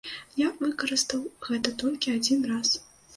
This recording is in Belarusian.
Я выкарыстаў гэта толькі адзін раз.